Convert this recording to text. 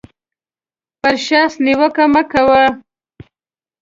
پر شخص نیوکه مه کوئ.